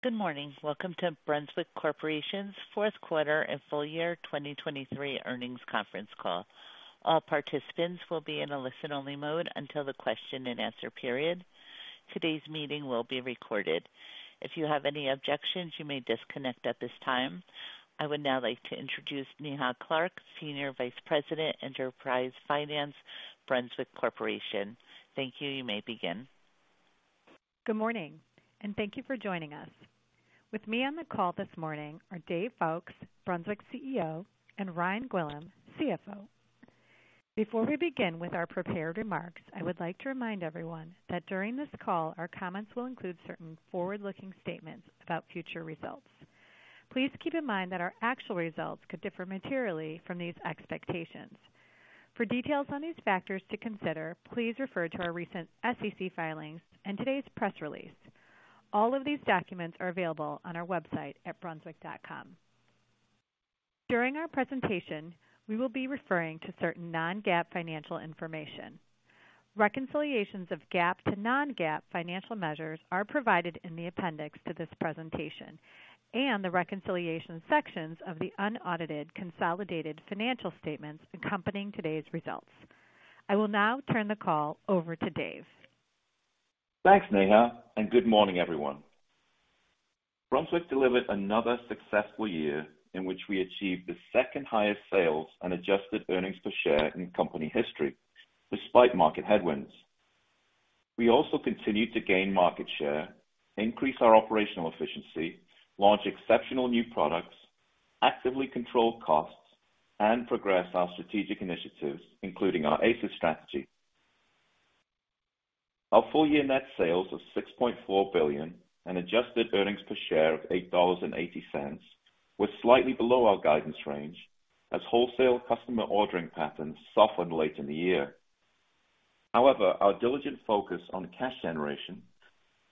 Good morning. Welcome to Brunswick Corporation's Q4 and Full-year 2023 Earnings Conference Call. All participants will be in a listen-only mode until the question and answer period. Today's meeting will be recorded. If you have any objections, you may disconnect at this time. I would now like to introduce Neha Clark, Senior Vice President, Enterprise Finance, Brunswick Corporation. Thank you. You may begin. Good morning, and thank you for joining us. With me on the call this morning are Dave Foulkes, Brunswick CEO, and Ryan Gwillim, CFO. Before we begin with our prepared remarks, I would like to remind everyone that during this call, our comments will include certain forward-looking statements about future results. Please keep in mind that our actual results could differ materially from these expectations. For details on these factors to consider, please refer to our recent SEC filings and today's press release. All of these documents are available on our website at brunswick.com. During our presentation, we will be referring to certain non-GAAP financial information. Reconciliations of GAAP to non-GAAP financial measures are provided in the appendix to this presentation and the reconciliation sections of the unaudited consolidated financial statements accompanying today's results. I will now turn the call over to Dave. Thanks, Neha, and good morning, everyone. Brunswick delivered another successful year in which we achieved the second highest sales and adjusted earnings per share in company history, despite market headwinds. We also continued to gain market share, increase our operational efficiency, launch exceptional new products, actively control costs, and progress our strategic initiatives, including our ACES strategy. Our full-year net sales of $6.4 billion and adjusted earnings per share of $8.80 were slightly below our guidance range, as wholesale customer ordering patterns softened late in the year. However, our diligent focus on cash generation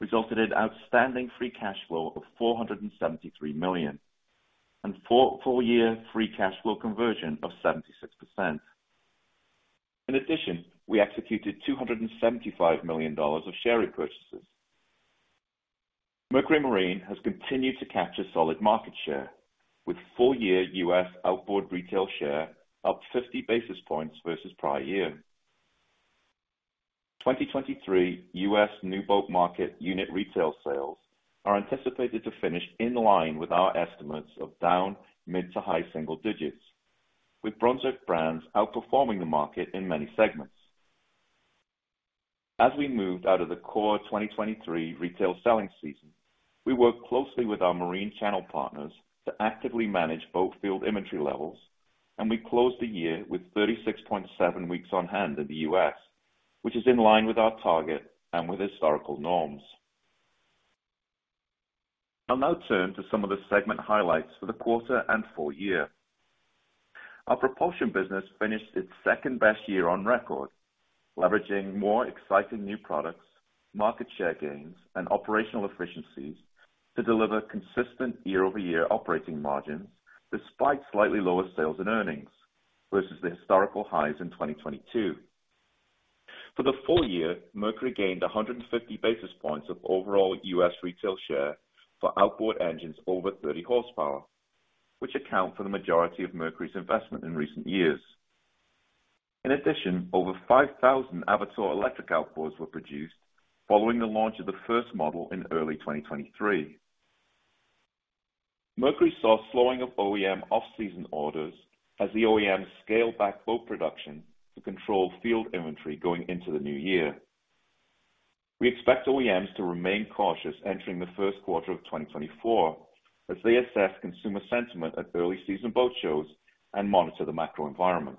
resulted in outstanding free cash flow of $473 million and full-year free cash flow conversion of 76%. In addition, we executed $275 million of share repurchases. Mercury Marine has continued to capture solid market share, with full-year U.S. outboard retail share up 50 basis points versus prior year. 2023 U.S. new boat market unit retail sales are anticipated to finish in line with our estimates of down mid- to high-single digits, with Brunswick Brands outperforming the market in many segments. As we moved out of the core 2023 retail selling season, we worked closely with our marine channel partners to actively manage boat field inventory levels, and we closed the year with 36.7 weeks on hand in the U.S., which is in line with our target and with historical norms. I'll now turn to some of the segment highlights for the quarter and full year. Our propulsion business finished its second-best year on record, leveraging more exciting new products, market share gains, and operational efficiencies to deliver consistent year-over-year operating margins, despite slightly lower sales and earnings versus the historical highs in 2022. For the full year, Mercury gained 150 basis points of overall U.S. retail share for outboard engines over 30 horsepower, which account for the majority of Mercury's investment in recent years. In addition, over 5,000 Avator electric outboards were produced following the launch of the first model in early 2023. Mercury saw a slowing of OEM off-season orders as the OEMs scaled back boat production to control field inventory going into the new year. We expect OEMs to remain cautious entering the Q1 of 2024 as they assess consumer sentiment at early season boat shows and monitor the macro environment.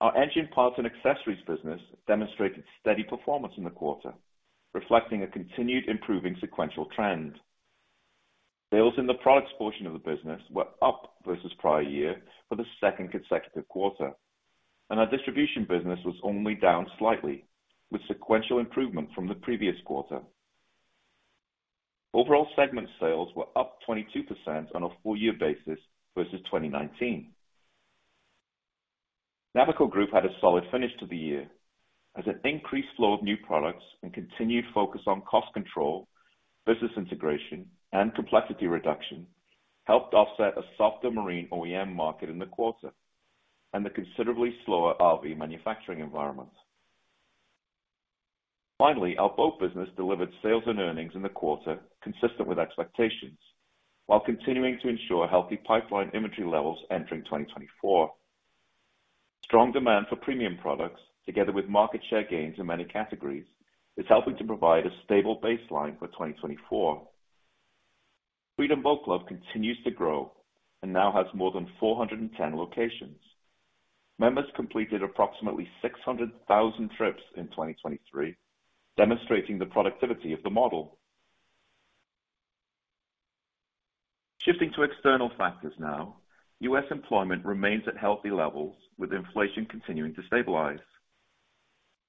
Our engine parts and accessories business demonstrated steady performance in the quarter, reflecting a continued improving sequential trend. Sales in the products portion of the business were up versus prior year for the second consecutive quarter, and our distribution business was only down slightly, with sequential improvement from the previous quarter. Overall, segment sales were up 22% on a full year basis versus 2019. Navico Group had a solid finish to the year as an increased flow of new products and continued focus on cost control, business integration, and complexity reduction helped offset a softer marine OEM market in the quarter and a considerably slower RV manufacturing environment. Finally, our boat business delivered sales and earnings in the quarter consistent with expectations, while continuing to ensure healthy pipeline inventory levels entering 2024. Strong demand for premium products, together with market share gains in many categories, is helping to provide a stable baseline for 2024. Freedom Boat Club continues to grow and now has more than 410 locations. Members completed approximately 600,000 trips in 2023, demonstrating the productivity of the model. Shifting to external factors now. U.S. employment remains at healthy levels, with inflation continuing to stabilize.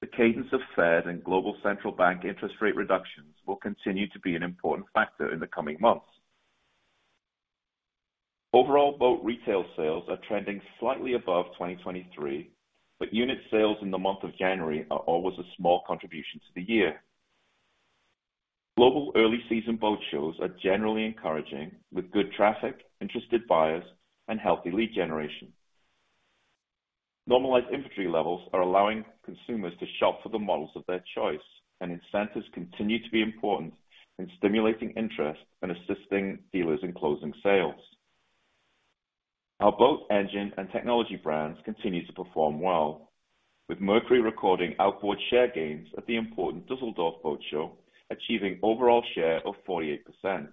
The cadence of Fed and global central bank interest rate reductions will continue to be an important factor in the coming months. Overall, boat retail sales are trending slightly above 2023, but unit sales in the month of January are always a small contribution to the year. Global early season boat shows are generally encouraging, with good traffic, interested buyers and healthy lead generation. Normalized inventory levels are allowing consumers to shop for the models of their choice, and incentives continue to be important in stimulating interest and assisting dealers in closing sales. Our boat engine and technology brands continue to perform well, with Mercury recording outboard share gains at the important Düsseldorf Boat Show, achieving overall share of 48%.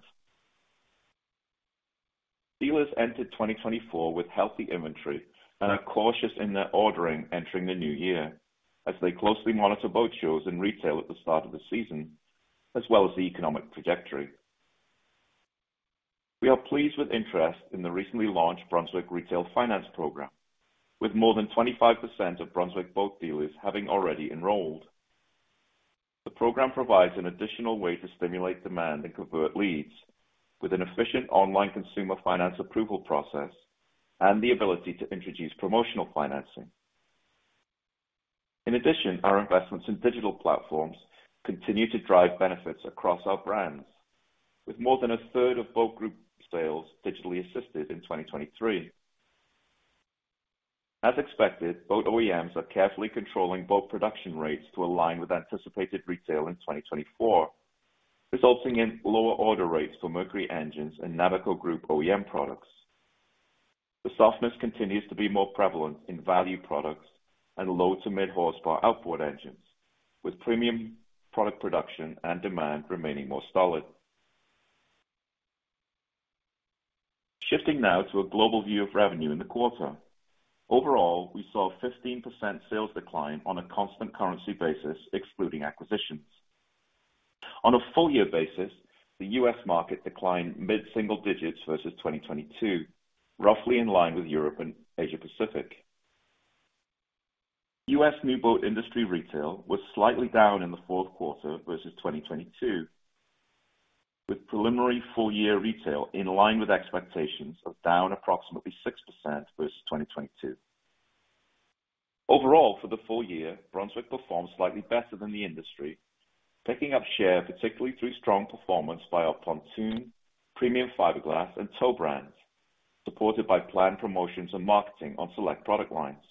Dealers entered 2024 with healthy inventory and are cautious in their ordering entering the new year, as they closely monitor boat shows and retail at the start of the season, as well as the economic trajectory. We are pleased with interest in the recently launched Brunswick Retail Finance Program, with more than 25% of Brunswick boat dealers having already enrolled. The program provides an additional way to stimulate demand and convert leads with an efficient online consumer finance approval process and the ability to introduce promotional financing. In addition, our investments in digital platforms continue to drive benefits across our brands, with more than a third of Boat Group sales digitally assisted in 2023. As expected, boat OEMs are carefully controlling boat production rates to align with anticipated retail in 2024, resulting in lower order rates for Mercury engines and Navico Group OEM products. The softness continues to be more prevalent in value products and low to mid-horsepower outboard engines, with premium product production and demand remaining more solid. Shifting now to a global view of revenue in the quarter. Overall, we saw a 15% sales decline on a constant currency basis, excluding acquisitions. On a full year basis, the U.S. market declined mid-single digits versus 2022, roughly in line with Europe and Asia Pacific. U.S. new boat industry retail was slightly down in the Q4 versus 2022, with preliminary full year retail in line with expectations of down approximately 6% versus 2022. Overall, for the full year, Brunswick performed slightly better than the industry, picking up share, particularly through strong performance by our pontoon, premium fiberglass and tow brands, supported by planned promotions and marketing on select product lines.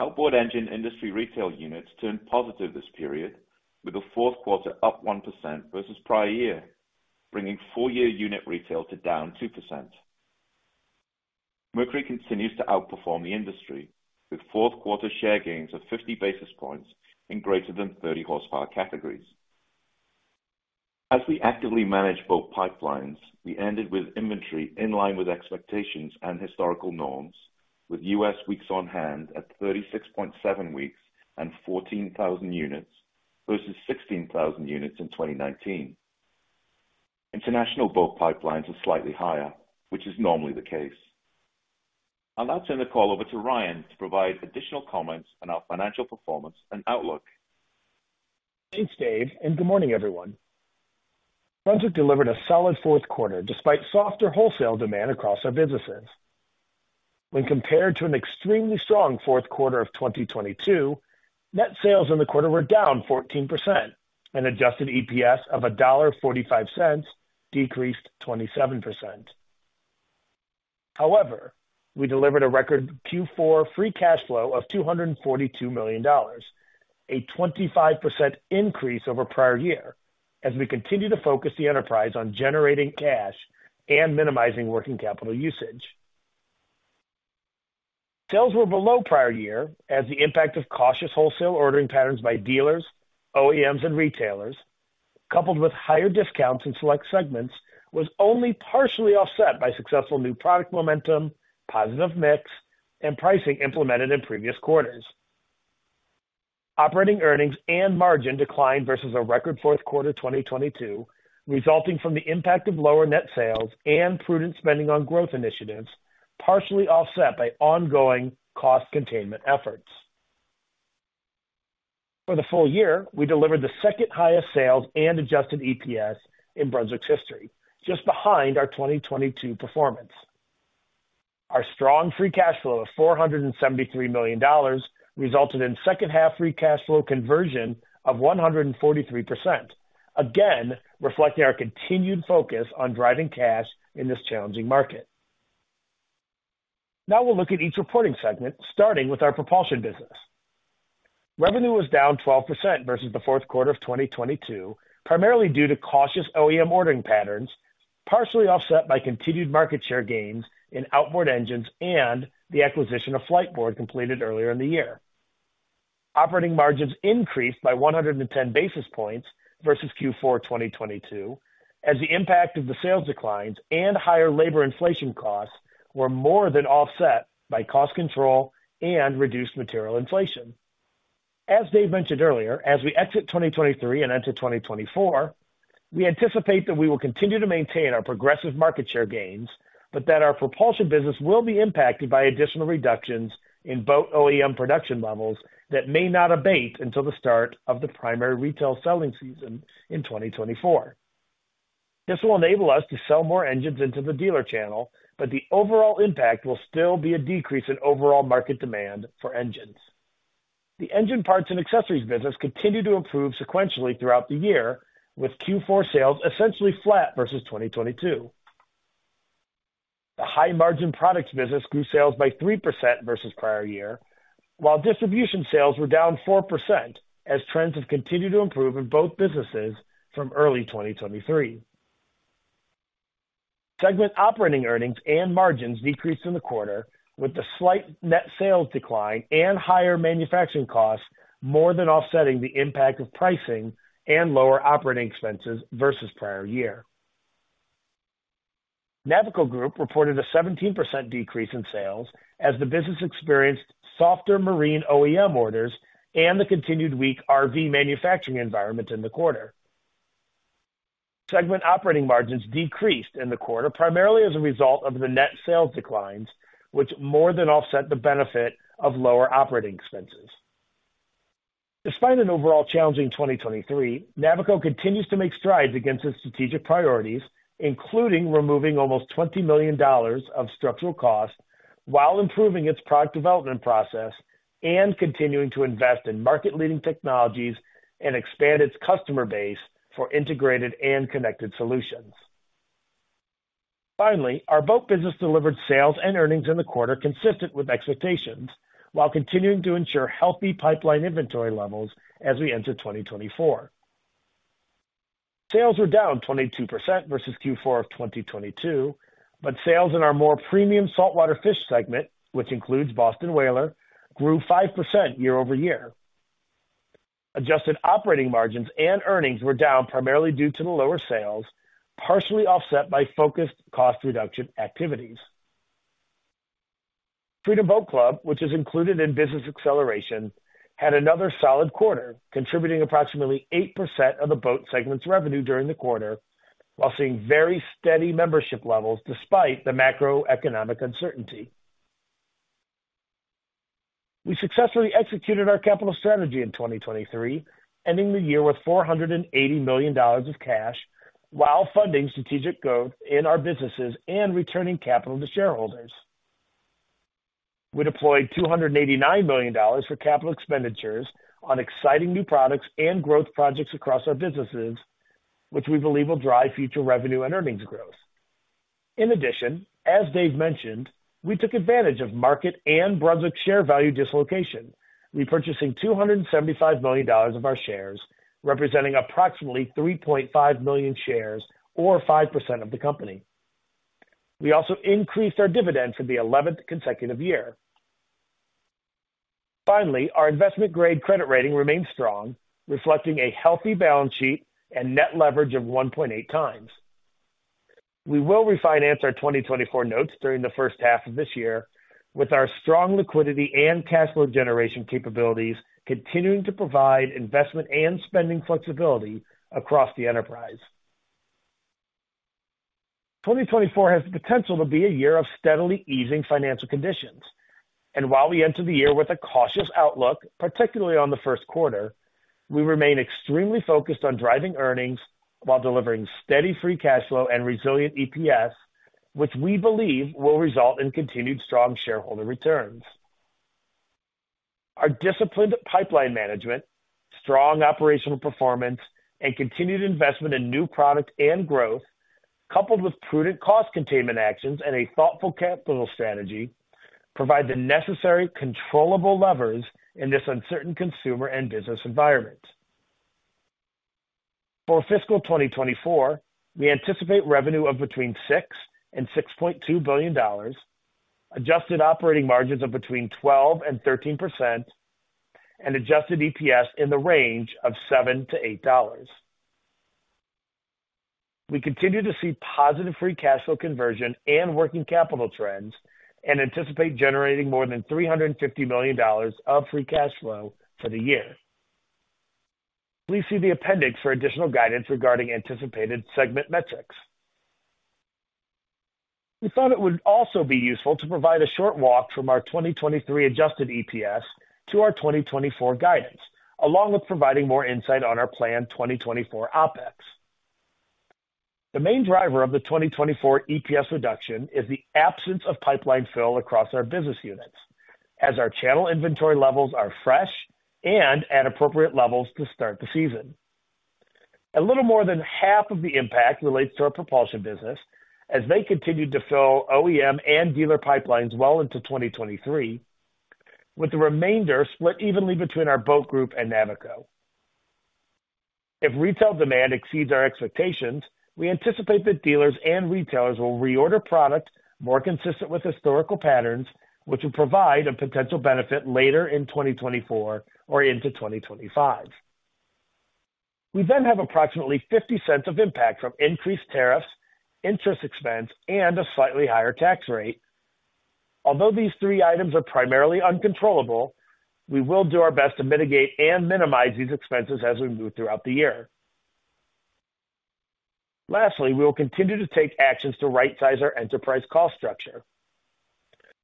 Outboard engine industry retail units turned positive this period, with a Q4 up 1% versus prior year, bringing full year unit retail to down 2%. Mercury continues to outperform the industry, with Q4 share gains of 50 basis points in greater than 30 horsepower categories. As we actively manage both pipelines, we ended with inventory in line with expectations and historical norms, with U.S. weeks on hand at 36.7 weeks and 14,000 units, versus 16,000 units in 2019. International boat pipelines are slightly higher, which is normally the case. I'll now turn the call over to Ryan to provide additional comments on our financial performance and outlook. Thanks, Dave, and good morning, everyone. Brunswick delivered a solid Q4 despite softer wholesale demand across our businesses. When compared to an extremely strong Q4 of 2022, net sales in the quarter were down 14% and adjusted EPS of $1.45 decreased 27%. However, we delivered a record Q4 free cash flow of $242 million, a 25% increase over prior year as we continue to focus the enterprise on generating cash and minimizing working capital usage. Sales were below prior year as the impact of cautious wholesale ordering patterns by dealers, OEMs and retailers, coupled with higher discounts in select segments, was only partially offset by successful new product momentum, positive mix, and pricing implemented in previous quarters. Operating earnings and margin declined versus a record Q4 2022, resulting from the impact of lower net sales and prudent spending on growth initiatives, partially offset by ongoing cost containment efforts. For the full year, we delivered the second highest sales and adjusted EPS in Brunswick's history, just behind our 2022 performance. Our strong free cash flow of $473 million resulted in second half free cash flow conversion of 143%, again, reflecting our continued focus on driving cash in this challenging market. Now we'll look at each reporting segment, starting with our propulsion business. Revenue was down 12% versus the Q4 of 2022, primarily due to cautious OEM ordering patterns, partially offset by continued market share gains in outboard engines and the acquisition of Fliteboard, completed earlier in the year. Operating margins increased by 110 basis points versus Q4 2022, as the impact of the sales declines and higher labor inflation costs were more than offset by cost control and reduced material inflation. As Dave mentioned earlier, as we exit 2023 and enter 2024, we anticipate that we will continue to maintain our progressive market share gains, but that our propulsion business will be impacted by additional reductions in boat OEM production levels that may not abate until the start of the primary retail selling season in 2024. This will enable us to sell more engines into the dealer channel, but the overall impact will still be a decrease in overall market demand for engines. The engine parts and accessories business continued to improve sequentially throughout the year, with Q4 sales essentially flat versus 2022. The high-margin products business grew sales by 3% versus prior year, while distribution sales were down 4% as trends have continued to improve in both businesses from early 2023. Segment operating earnings and margins decreased in the quarter, with the slight net sales decline and higher manufacturing costs more than offsetting the impact of pricing and lower operating expenses versus prior year. Navico Group reported a 17% decrease in sales as the business experienced softer marine OEM orders and the continued weak RV manufacturing environment in the quarter. Segment operating margins decreased in the quarter, primarily as a result of the net sales declines, which more than offset the benefit of lower operating expenses. Despite an overall challenging 2023, Navico continues to make strides against its strategic priorities, including removing almost $20 million of structural costs while improving its product development process and continuing to invest in market-leading technologies and expand its customer base for integrated and connected solutions. Finally, our boat business delivered sales and earnings in the quarter consistent with expectations, while continuing to ensure healthy pipeline inventory levels as we enter 2024. Sales were down 22% versus Q4 of 2022, but sales in our more premium saltwater fish segment, which includes Boston Whaler, grew 5% year-over-year. Adjusted operating margins and earnings were down primarily due to the lower sales, partially offset by focused cost reduction activities. Freedom Boat Club, which is included in business acceleration, had another solid quarter, contributing approximately 8% of the boat segment's revenue during the quarter, while seeing very steady membership levels despite the macroeconomic uncertainty. We successfully executed our capital strategy in 2023, ending the year with $480 million of cash, while funding strategic growth in our businesses and returning capital to shareholders. We deployed $289 million for capital expenditures on exciting new products and growth projects across our businesses, which we believe will drive future revenue and earnings growth. In addition, as Dave mentioned, we took advantage of market and Brunswick share value dislocation, repurchasing $275 million of our shares, representing approximately 3.5 million shares, or 5% of the company. We also increased our dividends for the 11th consecutive year. Finally, our investment-grade credit rating remains strong, reflecting a healthy balance sheet and net leverage of 1.8 times. We will refinance our 2024 notes during the first half of this year, with our strong liquidity and cash flow generation capabilities continuing to provide investment and spending flexibility across the enterprise. 2024 has the potential to be a year of steadily easing financial conditions, and while we enter the year with a cautious outlook, particularly on the Q1, we remain extremely focused on driving earnings while delivering steady free cash flow and resilient EPS, which we believe will result in continued strong shareholder returns. Our disciplined pipeline management, strong operational performance, and continued investment in new product and growth, coupled with prudent cost containment actions and a thoughtful capital strategy, provide the necessary controllable levers in this uncertain consumer and business environment. For fiscal 2024, we anticipate revenue of between $6 billion and $6.2 billion, adjusted operating margins of between 12% and 13%, and adjusted EPS in the range of $7 to $8. We continue to see positive free cash flow conversion and working capital trends and anticipate generating more than $350 million of free cash flow for the year. Please see the appendix for additional guidance regarding anticipated segment metrics. We thought it would also be useful to provide a short walk from our 2023 adjusted EPS to our 2024 guidance, along with providing more insight on our planned 2024 OpEx. The main driver of the 2024 EPS reduction is the absence of pipeline fill across our business units, as our channel inventory levels are fresh and at appropriate levels to start the season. A little more than half of the impact relates to our propulsion business, as they continued to fill OEM and dealer pipelines well into 2023, with the remainder split evenly between our Boat Group and Navico. If retail demand exceeds our expectations, we anticipate that dealers and retailers will reorder product more consistent with historical patterns, which will provide a potential benefit later in 2024 or into 2025. We then have approximately $0.50 of impact from increased tariffs, interest expense, and a slightly higher tax rate. Although these three items are primarily uncontrollable, we will do our best to mitigate and minimize these expenses as we move throughout the year. Lastly, we will continue to take actions to rightsize our enterprise cost structure....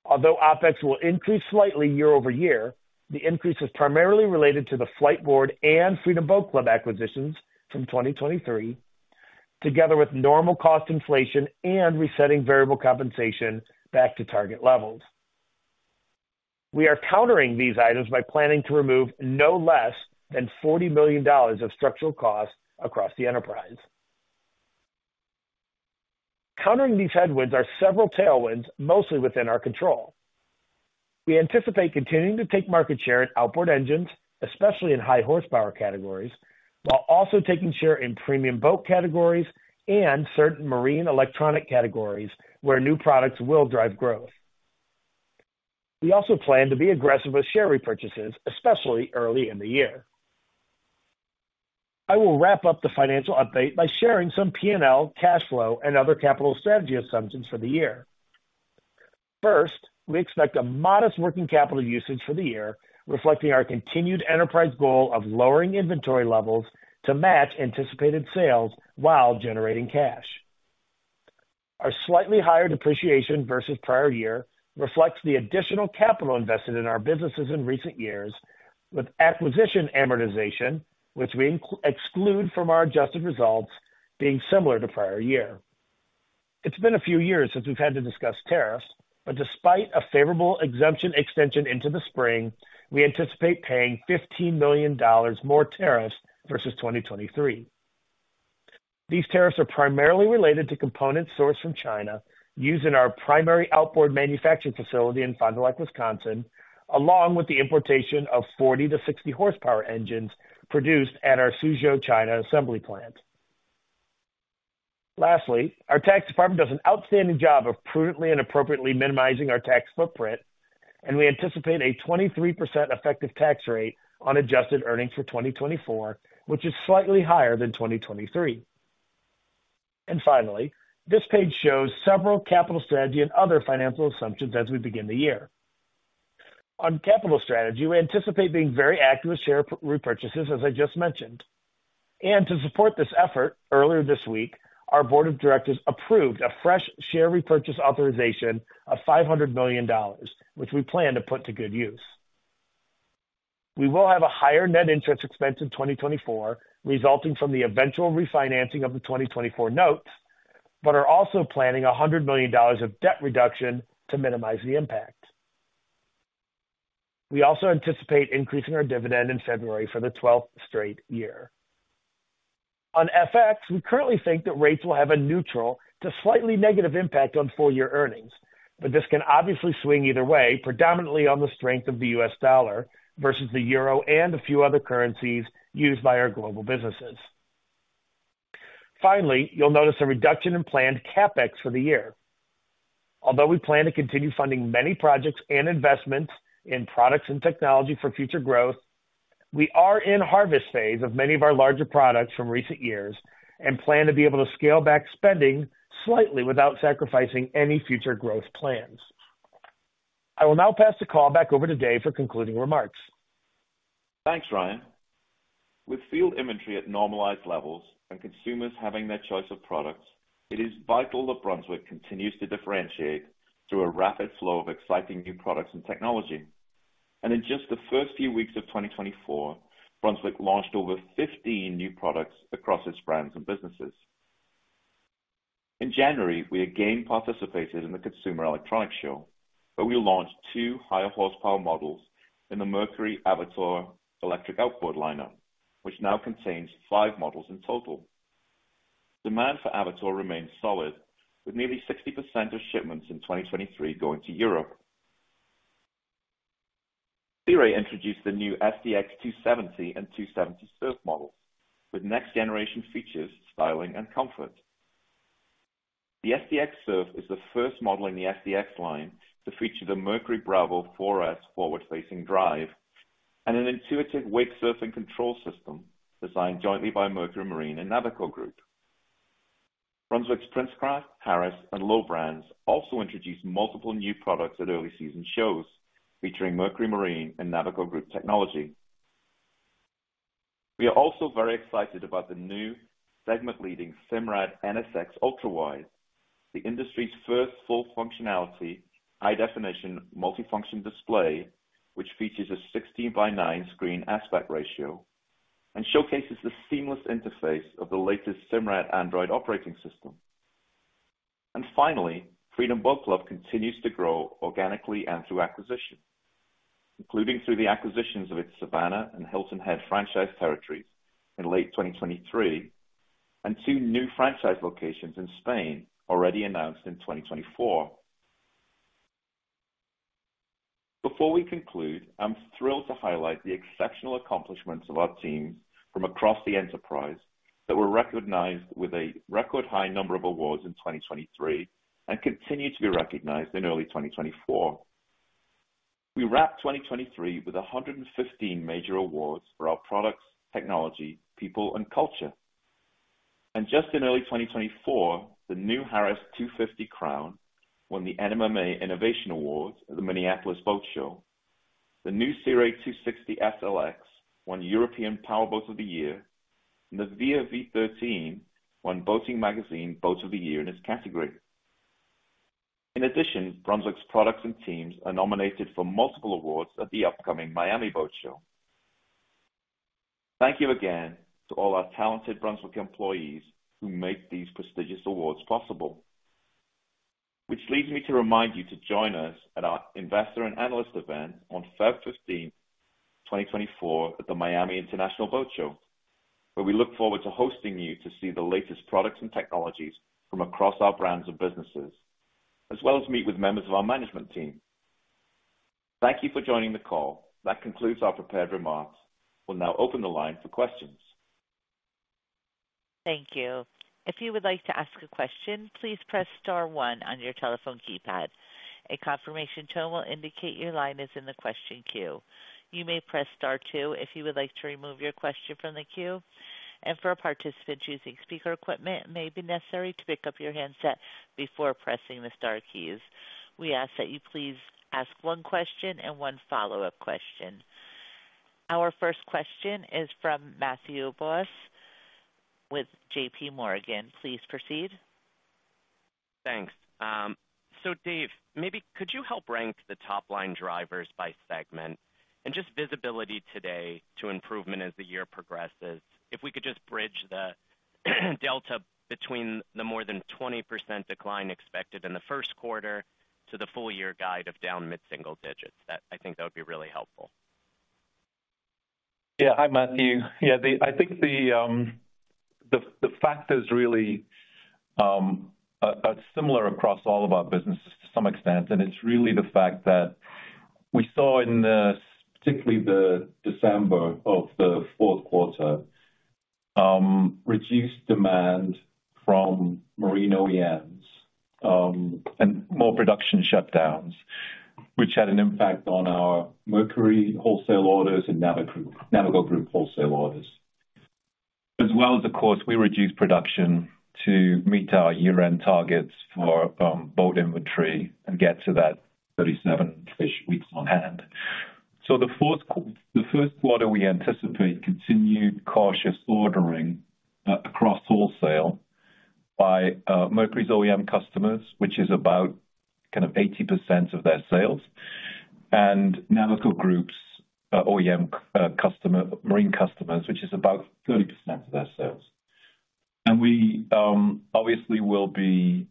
Although OpEx will increase slightly year-over-year, the increase is primarily related to the Fliteboard and Freedom Boat Club acquisitions from 2023, together with normal cost inflation and resetting variable compensation back to target levels. We are countering these items by planning to remove no less than $40 million of structural costs across the enterprise. Countering these headwinds are several tailwinds, mostly within our control. We anticipate continuing to take market share in outboard engines, especially in high horsepower categories, while also taking share in premium boat categories and certain marine electronic categories where new products will drive growth. We also plan to be aggressive with share repurchases, especially early in the year. I will wrap up the financial update by sharing some P&L, cash flow, and other capital strategy assumptions for the year. First, we expect a modest working capital usage for the year, reflecting our continued enterprise goal of lowering inventory levels to match anticipated sales while generating cash. Our slightly higher depreciation versus prior year reflects the additional capital invested in our businesses in recent years, with acquisition amortization, which we exclude from our adjusted results being similar to prior year. It's been a few years since we've had to discuss tariffs, but despite a favorable exemption extension into the spring, we anticipate paying $15 million more tariffs versus 2023. These tariffs are primarily related to components sourced from China, used in our primary outboard manufacturing facility in Fond du Lac, Wisconsin, along with the importation of 40-60 horsepower engines produced at our Suzhou, China, assembly plant. Lastly, our tax department does an outstanding job of prudently and appropriately minimizing our tax footprint, and we anticipate a 23% effective tax rate on adjusted earnings for 2024, which is slightly higher than 2023. Finally, this page shows several capital strategy and other financial assumptions as we begin the year. On capital strategy, we anticipate being very active with share repurchases, as I just mentioned, and to support this effort, earlier this week, our board of directors approved a fresh share repurchase authorization of $500 million, which we plan to put to good use. We will have a higher net interest expense in 2024, resulting from the eventual refinancing of the 2024 notes, but are also planning $100 million of debt reduction to minimize the impact. We also anticipate increasing our dividend in February for the 12th straight year. On FX, we currently think that rates will have a neutral to slightly negative impact on full year earnings, but this can obviously swing either way, predominantly on the strength of the U.S. dollar versus the euro and a few other currencies used by our global businesses. Finally, you'll notice a reduction in planned CapEx for the year. Although we plan to continue funding many projects and investments in products and technology for future growth, we are in harvest phase of many of our larger products from recent years and plan to be able to scale back spending slightly without sacrificing any future growth plans. I will now pass the call back over to Dave for concluding remarks. Thanks, Ryan. With field inventory at normalized levels and consumers having their choice of products, it is vital that Brunswick continues to differentiate through a rapid flow of exciting new products and technology. In just the first few weeks of 2024, Brunswick launched over 15 new products across its brands and businesses. In January, we again participated in the Consumer Electronics Show, where we launched two higher horsepower models in the Mercury Avator electric outboard lineup, which now contains five models in total. Demand for Avator remains solid, with nearly 60% of shipments in 2023 going to Europe. Sea Ray introduced the new SDX 270 and 270 Surf model with next generation features, styling and comfort. The SDX Surf is the first model in the SDX line to feature the Mercury Bravo Four S forward-facing drive and an intuitive wake surfing control system designed jointly by Mercury Marine and Navico Group. Brunswick's Princecraft, Harris and Lowe brands also introduced multiple new products at early season shows, featuring Mercury Marine and Navico Group technology. We are also very excited about the new segment-leading Simrad NSX ULTRAWIDE, the industry's first full functionality, high-definition, multifunction display, which features a 16 by 9 screen aspect ratio and showcases the seamless interface of the latest Simrad Android operating system. And finally, Freedom Boat Club continues to grow organically and through acquisition, including through the acquisitions of its Savannah and Hilton Head franchise territories in late 2023 and two new franchise locations in Spain already announced in 2024. Before we conclude, I'm thrilled to highlight the exceptional accomplishments of our teams from across the enterprise that were recognized with a record high number of awards in 2023, and continue to be recognized in early 2024. We wrapped 2023 with 115 major awards for our products, technology, people and culture. Just in early 2024, the new Harris 250 Crowne won the NMMA Innovation Award at the Minneapolis Boat Show. ...The new Sea Ray 260 SLX won European Powerboat of the Year, and the Sea Ray 260 SLX won Boating Magazine Boat of the Year in its category. In addition, Brunswick's products and teams are nominated for multiple awards at the upcoming Miami Boat Show. Thank you again to all our talented Brunswick employees who make these prestigious awards possible. Which leads me to remind you to join us at our investor and analyst event on February 15th, 2024, at the Miami International Boat Show, where we look forward to hosting you to see the latest products and technologies from across our brands and businesses, as well as meet with members of our management team. Thank you for joining the call. That concludes our prepared remarks. We'll now open the line for questions. Thank you. If you would like to ask a question, please press star one on your telephone keypad. A confirmation tone will indicate your line is in the question queue. You may press star two if you would like to remove your question from the queue, and for a participant choosing speaker equipment, it may be necessary to pick up your handset before pressing the star keys. We ask that you please ask one question and one follow-up question. Our first question is from Matthew Boss with J.P. Morgan. Please proceed. Thanks. So Dave, maybe could you help rank the top-line drivers by segment and just visibility today to improvement as the year progresses? If we could just bridge the delta between the more than 20% decline expected in the Q1 to the full year guide of down mid-single digits. That, I think that would be really helpful. Yeah. Hi, Matthew. Yeah, I think the fact is really similar across all of our businesses to some extent, and it's really the fact that we saw in, particularly the December of the Q4, reduced demand from marine OEMs, and more production shutdowns, which had an impact on our Mercury wholesale orders and Navico Group, Navico Group wholesale orders. As well as, of course, we reduced production to meet our year-end targets for boat inventory and get to that 37 weeks on hand. So the Q1, we anticipate continued cautious ordering across wholesale by Mercury's OEM customers, which is about kind of 80% of their sales, and Navico Group's OEM marine customers, which is about 30% of their sales. We obviously will be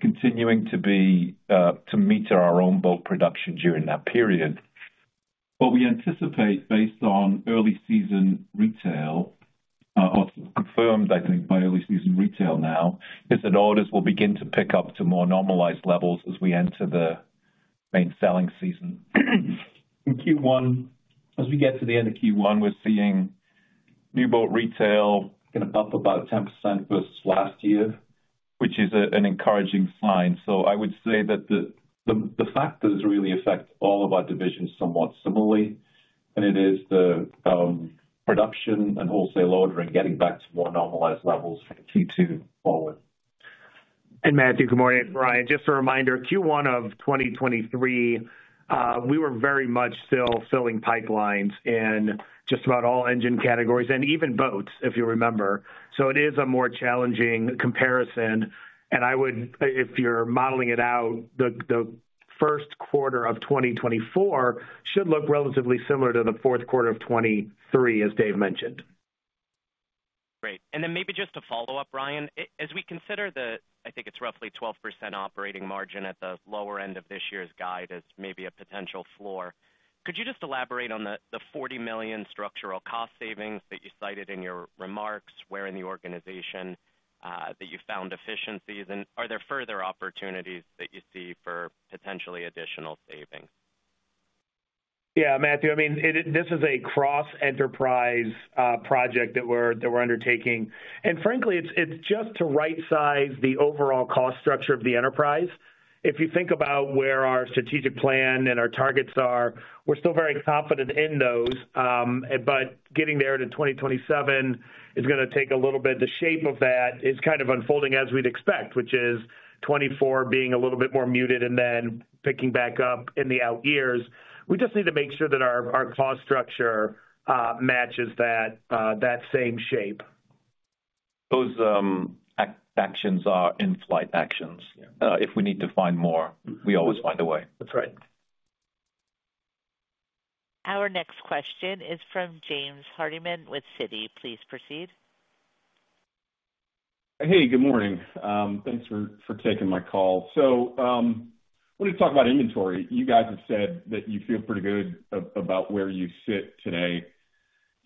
continuing to be to meet our own boat production during that period. What we anticipate, based on early season retail, or confirmed, I think, by early season retail now, is that orders will begin to pick up to more normalized levels as we enter the main selling season. In Q1, as we get to the end of Q1, we're seeing new boat retail going to bump about 10% versus last year, which is an encouraging sign. I would say that the factors really affect all of our divisions somewhat similarly, and it is the production and wholesale ordering getting back to more normalized levels in Q2 forward. Matthew, good morning, it's Ryan. Just a reminder, Q1 of 2023, we were very much still filling pipelines in just about all engine categories and even boats, if you remember. So it is a more challenging comparison, and I would, if you're modeling it out, the Q1 of 2024 should look relatively similar to the Q4 of 2023, as Dave mentioned. Great. And then maybe just to follow up, Ryan, as we consider the, I think it's roughly 12% operating margin at the lower end of this year's guide as maybe a potential floor, could you just elaborate on the, the $40 million structural cost savings that you cited in your remarks? Where in the organization that you found efficiencies, and are there further opportunities that you see for potentially additional savings? Yeah, Matthew, I mean, it, this is a cross-enterprise project that we're undertaking. And frankly, it's just to right-size the overall cost structure of the enterprise. If you think about where our strategic plan and our targets are, we're still very confident in those, but getting there to 2027 is going to take a little bit. The shape of that is kind of unfolding as we'd expect, which is 2024 being a little bit more muted and then picking back up in the out years. We just need to make sure that our cost structure matches that same shape. Those actions are in-flight actions. Yeah. If we need to find more, we always find a way. That's right. Our next question is from James Hardiman with Citi. Please proceed. Hey, good morning. Thanks for taking my call. So, I wanted to talk about inventory. You guys have said that you feel pretty good about where you sit today.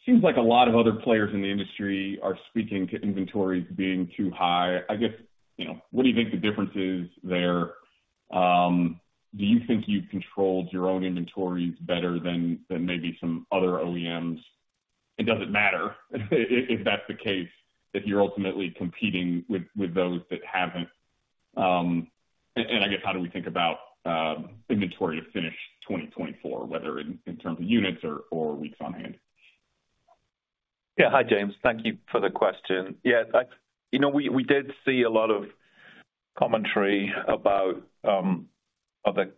Seems like a lot of other players in the industry are speaking to inventories being too high. I guess, you know, what do you think the difference is there? Do you think you've controlled your own inventories better than maybe some other OEMs? And does it matter, if that's the case, if you're ultimately competing with those that haven't? And I guess, how do we think about inventory to finish 2024, whether in terms of units or weeks on hand?... Yeah. Hi, James. Thank you for the question. Yeah, I-- you know, we, we did see a lot of commentary about, other,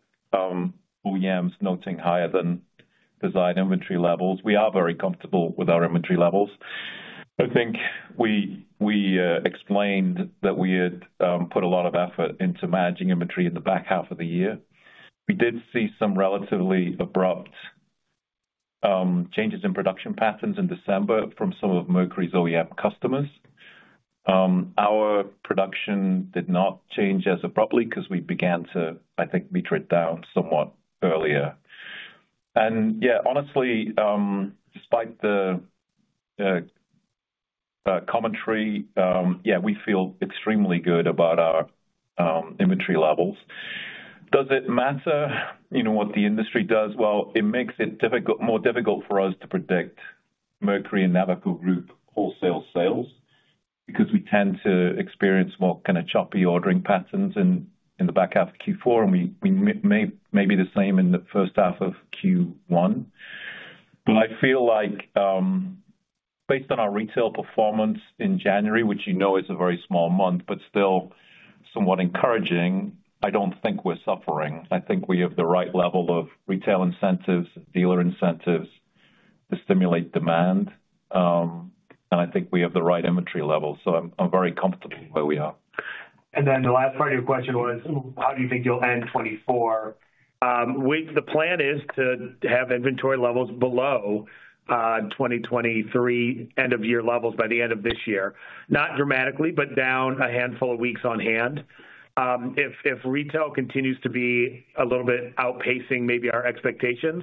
OEMs noting higher than desired inventory levels. We are very comfortable with our inventory levels. I think we, we, explained that we had, put a lot of effort into managing inventory in the back half of the year. We did see some relatively abrupt, changes in production patterns in December from some of Mercury's OEM customers. Our production did not change as abruptly because we began to, I think, meter it down somewhat earlier. And yeah, honestly, despite the, commentary, yeah, we feel extremely good about our, inventory levels. Does it matter, you know, what the industry does? Well, it makes it more difficult for us to predict Mercury and Navico Group wholesale sales, because we tend to experience more kind of choppy ordering patterns in the back half of Q4, and we may be the same in the first half of Q1. But I feel like, based on our retail performance in January, which you know is a very small month, but still somewhat encouraging, I don't think we're suffering. I think we have the right level of retail incentives, dealer incentives to stimulate demand, and I think we have the right inventory levels, so I'm very comfortable where we are. And then the last part of your question was, how do you think you'll end 2024? The plan is to have inventory levels below 2023 end of year levels by the end of this year. Not dramatically, but down a handful of weeks on hand. If retail continues to be a little bit outpacing maybe our expectations,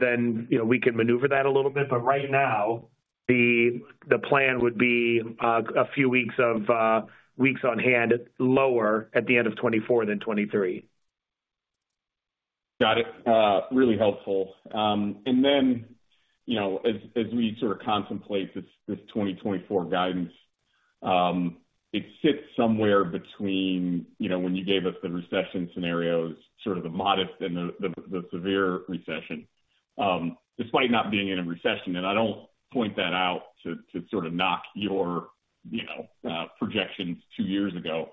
then, you know, we can maneuver that a little bit. But right now, the plan would be a few weeks of weeks on hand, lower at the end of 2024 than 2023. Got it. Really helpful. And then, you know, as, as we sort of contemplate this, this 2024 guidance, it sits somewhere between, you know, when you gave us the recession scenarios, sort of the modest and the, the, the severe recession, despite not being in a recession, and I don't point that out to, to sort of knock your, you know, projections two years ago.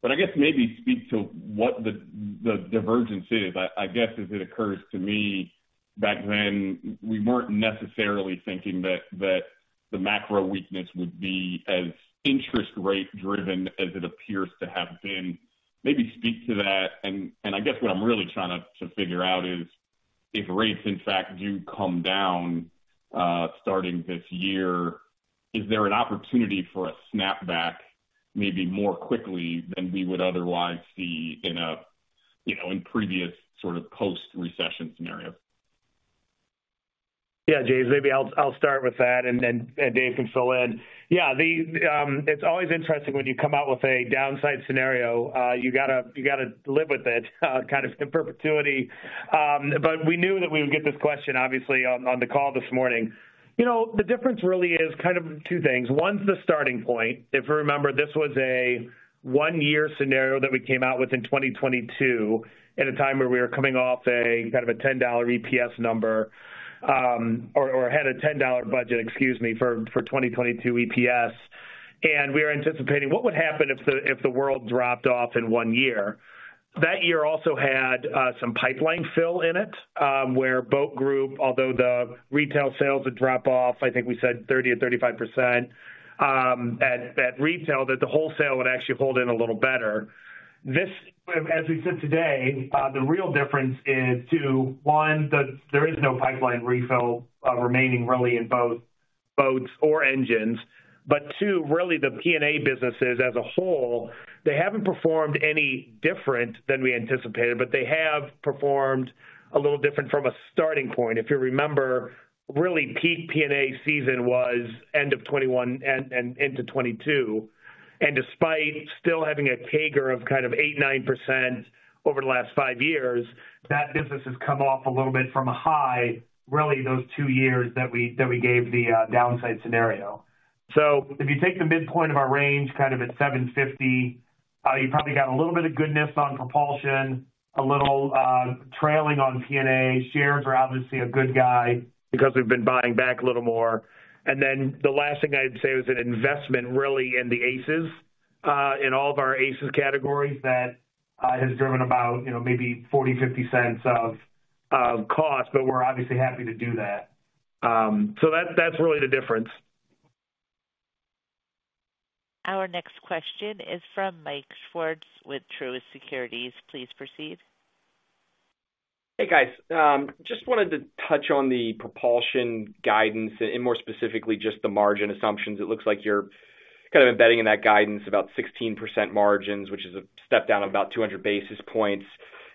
But I guess maybe speak to what the, the divergence is. I, I guess, as it occurs to me, back then, w-we weren't necessarily thinking that, that the macro weakness would be as interest rate driven as it appears to have been. Maybe speak to that, and I guess what I'm really trying to figure out is, if rates, in fact, do come down starting this year, is there an opportunity for a snapback maybe more quickly than we would otherwise see in a, you know, in previous sort of post-recession scenario? Yeah, James, maybe I'll start with that, and then Dave can fill in. Yeah, the... It's always interesting when you come out with a downside scenario, you gotta live with it, kind of in perpetuity. But we knew that we would get this question, obviously, on the call this morning. You know, the difference really is kind of two things. One's the starting point. If you remember, this was a one-year scenario that we came out with in 2022, at a time where we were coming off a kind of a $10 EPS number, or had a $10 budget, excuse me, for 2022 EPS. And we are anticipating what would happen if the world dropped off in one year. That year also had some pipeline fill in it, where Boat Group, although the retail sales would drop off, I think we said 30%-35% at retail, that the wholesale would actually hold in a little better. This, as we said today, the real difference is two: one, there is no pipeline refill remaining really in both boats or engines, but two, really, the P&A businesses as a whole, they haven't performed any different than we anticipated, but they have performed a little different from a starting point. If you remember, really, peak P&A season was end of 2021 and into 2022, and despite still having a CAGR of kind of 8%-9% over the last five years, that business has come off a little bit from a high, really, those two years that we, that we gave the downside scenario. So if you take the midpoint of our range, kind of at $750, you probably got a little bit of good news on propulsion, a little trailing on P&A. Shares are obviously a good guy because we've been buying back a little more. And then the last thing I'd say is an investment, really in the ACES, in all of our ACES categories that has driven about, you know, maybe $0.40-$0.50 of cost, but we're obviously happy to do that. So that's, that's really the difference. Our next question is from Mike Swartz with Truist Securities. Please proceed. Hey, guys. Just wanted to touch on the propulsion guidance and more specifically, just the margin assumptions. It looks like you're kind of embedding in that guidance about 16% margins, which is a step down of about 200 basis points.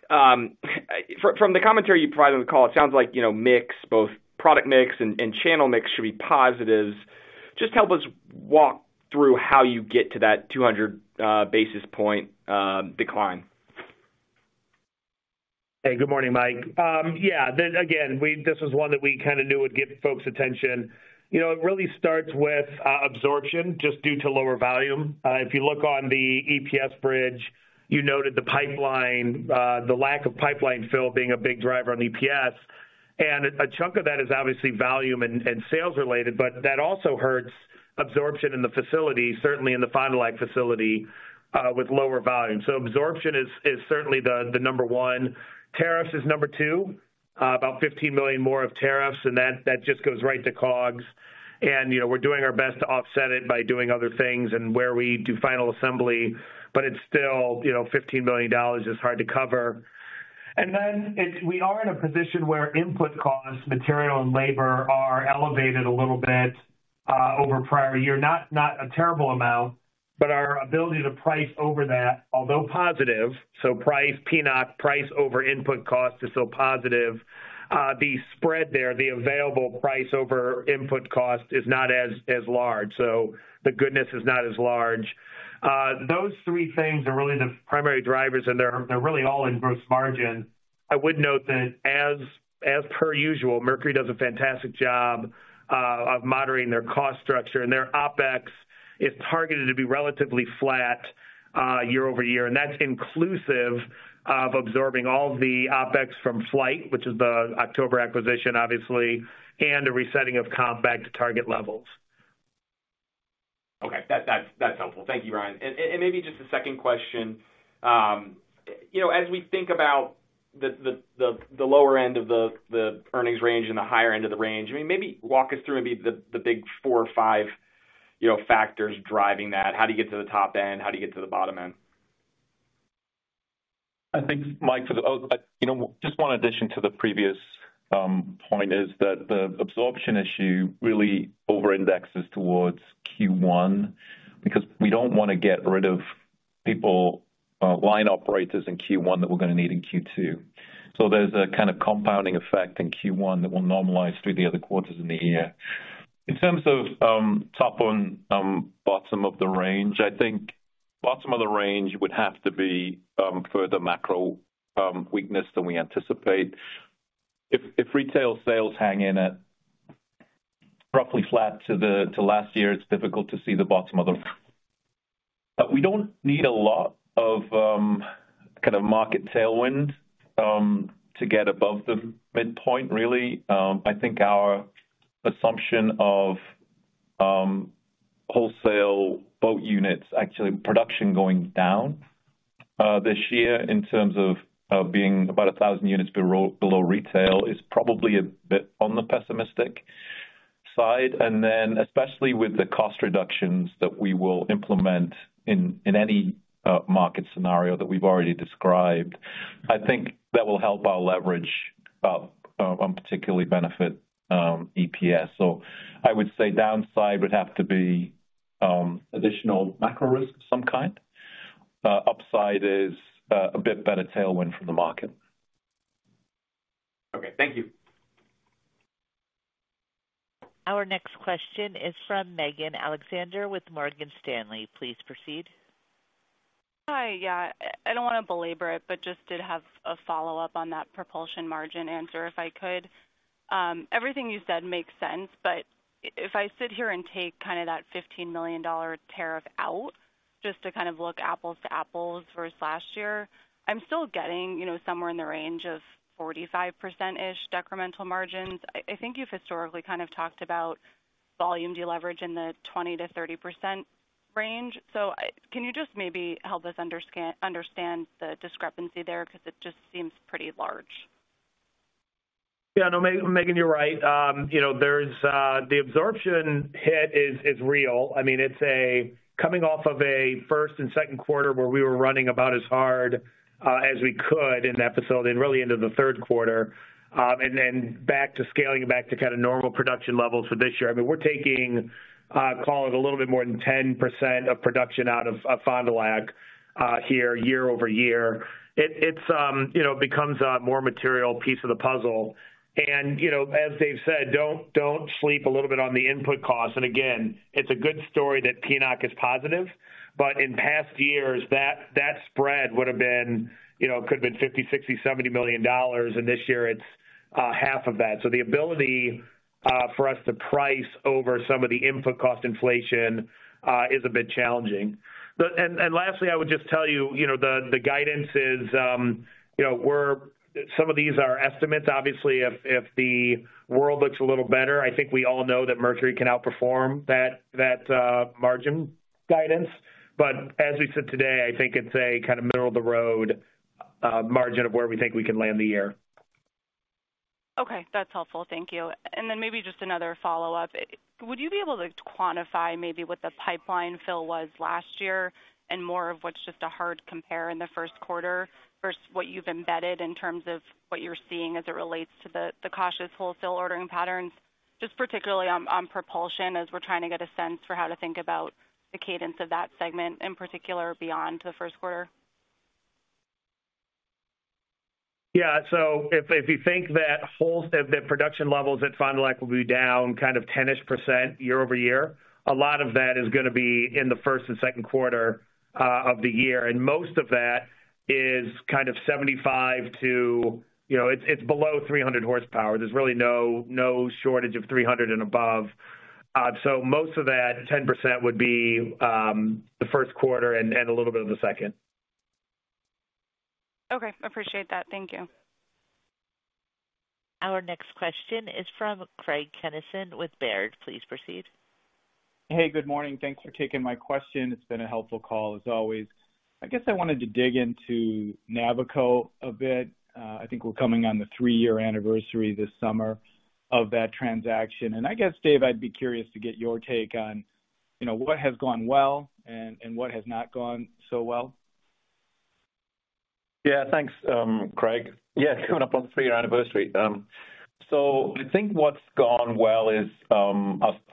From the commentary you provided on the call, it sounds like, you know, mix, both product mix and channel mix should be positives. Just help us walk through how you get to that 200 basis point decline. Hey, good morning, Mike. Yeah, then again, this was one that we kind of knew would get folks' attention. You know, it really starts with absorption, just due to lower volume. If you look on the EPS bridge, you noted the pipeline, the lack of pipeline fill being a big driver on EPS. And a chunk of that is obviously volume and sales related, but that also hurts absorption in the facility, certainly in the Fond du Lac facility, with lower volume. So absorption is certainly the number one. Tariffs is number two, about $15 million more of tariffs, and that just goes right to COGS. And, you know, we're doing our best to offset it by doing other things and where we do final assembly, but it's still, you know, $15 million is hard to cover. And then we are in a position where input costs, material and labor are elevated a little bit over prior year. Not a terrible amount, but our ability to price over that, although positive, so price, PNOC, price over input cost is still positive. The spread there, the available price over input cost is not as large, so the goodness is not as large. Those three things are really the primary drivers, and they're really all in gross margin. I would note that as per usual, Mercury does a fantastic job of moderating their cost structure, and their OpEx is targeted to be relatively flat year over year, and that's inclusive of absorbing all the OpEx from Fliteboard, which is the October acquisition, obviously, and a resetting of CapEx to target levels. Okay. That's helpful. Thank you, Ryan. And maybe just a second question. You know, as we think about the lower end of the earnings range and the higher end of the range, I mean, maybe walk us through the big four or five, you know, factors driving that. How do you get to the top end? How do you get to the bottom end? I think, Mike, for the, oh, you know, just one addition to the previous, point is that the absorption issue really overindexes towards Q1, because we don't want to get rid of people, line operators in Q1 that we're going to need in Q2. So there's a kind of compounding effect in Q1 that will normalize through the other quarters in the year. In terms of, top and, bottom of the range, I think bottom of the range would have to be, further macro, weakness than we anticipate. If, if retail sales hang in at roughly flat to the, to last year, it's difficult to see the bottom of the... But we don't need a lot of, kind of market tailwind, to get above the midpoint, really. I think our assumption of wholesale boat units, actually, production going down this year in terms of being about 1,000 units below retail is probably a bit on the pessimistic side. And then, especially with the cost reductions that we will implement in any market scenario that we've already described, I think that will help our leverage, particularly benefit EPS. So I would say downside would have to be additional macro risk of some kind. Upside is a bit better tailwind from the market. Okay, thank you. Our next question is from Megan Alexander with Morgan Stanley. Please proceed. Hi. Yeah, I don't want to belabor it, but just did have a follow-up on that propulsion margin answer, if I could. Everything you said makes sense, but if I sit here and take kind of that $15 million tariff out, just to kind of look apples to apples versus last year, I'm still getting, you know, somewhere in the range of 45%-ish decremental margins. I think you've historically kind of talked about volume deleverage in the 20%-30% range. So can you just maybe help us understand the discrepancy there? Because it just seems pretty large. Yeah, no, Megan, you're right. You know, there's the absorption hit is real. I mean, it's coming off of a first and Q2 where we were running about as hard as we could in that facility and really into the Q3. And then back to scaling back to kind of normal production levels for this year. I mean, we're taking call it a little bit more than 10% of production out of Fond du Lac here year-over-year. It's you know becomes a more material piece of the puzzle. And you know, as Dave said, don't sleep a little bit on the input costs. And again, it's a good story that PNOC is positive, but in past years, that spread would have been, you know, could have been $50 million, $60 million, $70 million, and this year it's half of that. So the ability for us to price over some of the input cost inflation is a bit challenging. But and lastly, I would just tell you, you know, the guidance is, you know, we're some of these are estimates. Obviously, if the world looks a little better, I think we all know that Mercury can outperform that margin guidance. But as we said today, I think it's a kind of middle-of-the-road margin of where we think we can land the year. Okay, that's helpful. Thank you. And then maybe just another follow-up. Would you be able to quantify maybe what the pipeline fill was last year and more of what's just a hard compare in the Q1 versus what you've embedded in terms of what you're seeing as it relates to the cautious wholesale ordering patterns? Just particularly on propulsion, as we're trying to get a sense for how to think about the cadence of that segment, in particular, beyond the Q1. Yeah. So if you think that whole—that production levels at Fond du Lac will be down kind of 10-ish% year-over-year, a lot of that is going to be in the first and Q2 of the year, and most of that is kind of 75 to, you know, it's below 300 horsepower. There's really no shortage of 300 and above. So most of that 10% would be the Q1 and a little bit of the second. Okay, appreciate that. Thank you. Our next question is from Craig Kennison with Baird. Please proceed. Hey, good morning. Thanks for taking my question. It's been a helpful call, as always. I guess I wanted to dig into Navico a bit. I think we're coming on the three-year anniversary this summer of that transaction. And I guess, Dave, I'd be curious to get your take on, you know, what has gone well and what has not gone so well. Yeah, thanks, Craig. Yes, coming up on the three-year anniversary. So I think what's gone well is,